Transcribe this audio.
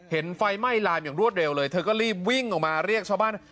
ไฟไหม้ลามอย่างรวดเร็วเลยเธอก็รีบวิ่งออกมาเรียกชาวบ้าน